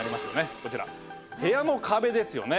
こちら部屋の壁ですよね。